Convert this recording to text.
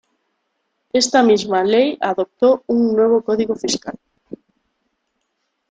Esta misma Ley adoptó un nuevo Código Fiscal.